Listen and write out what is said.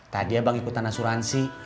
tadi abang ikutan asuransi